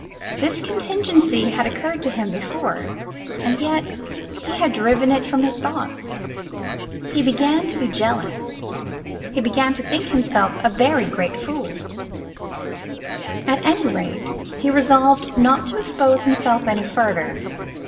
This contingency had occurred to him before, and yet he had driven it from his thoughts. He began to be jealous; he began to think himself a very great fool; at any rate, he resolved not to expose himself any further.